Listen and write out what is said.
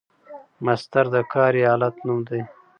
مصدر د کار یا حالت نوم دئ.